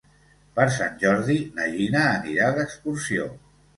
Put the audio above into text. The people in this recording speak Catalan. Per Sant Jordi na Gina anirà d'excursió.